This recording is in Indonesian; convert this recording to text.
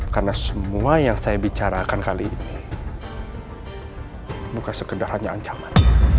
karena semua yang saya bicarakan kali ini bukan sekedar hanya ancaman